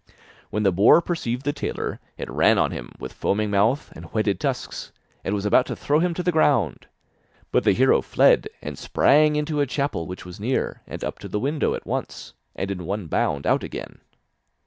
When the boar perceived the tailor, it ran on him with foaming mouth and whetted tusks, and was about to throw him to the ground, but the hero fled and sprang into a chapel which was near and up to the window at once, and in one bound out again.